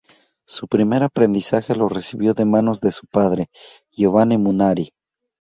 Su primer aprendizaje lo recibió de manos de su padre, Giovanni Munari.